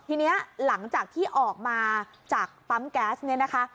ทีนี้หลังจากที่ออกมาจากปั๊มแก๊สเนี่ยนะคะ